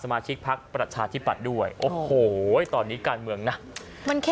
มาชิกพักประชาธิปัตย์ด้วยโอ้โหตอนนี้การเมืองนะมันแค่